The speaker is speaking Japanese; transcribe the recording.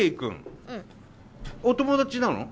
お友達なの？